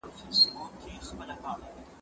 زه ږغ اورېدلی دی!!